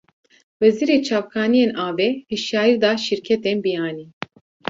Wezîrê çavkaniyên avê, hişyarî da şîrketên biyanî